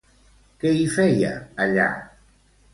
Què hi feia, allà?